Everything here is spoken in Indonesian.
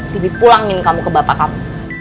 bibit pulangin kamu ke bapak kamu